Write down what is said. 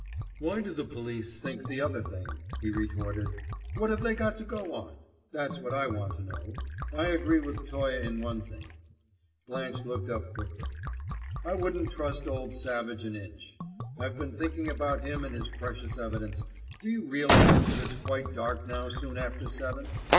"Why do the police think the other thing?" he retorted. "What have they got to go on? That's what I want to know. I agree with Toye in one thing." Blanche looked up quickly. "I wouldn't trust old Savage an inch. I've been thinking about him and his precious evidence. Do you realize that it's quite dark now soon after seven?